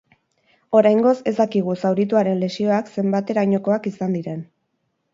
Oraingoz ez dakigu zaurituaren lesioak zenbaterainokoak izan diren.